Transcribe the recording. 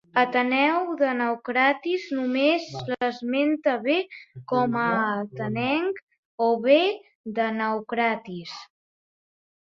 Ateneu de Naucratis només l'esmenta bé com a atenenc o bé de Naucratis.